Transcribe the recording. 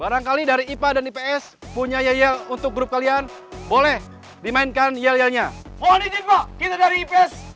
barangkali dari ipa dan ips punya ya untuk grup kalian boleh dimainkan yelnya kita dari ips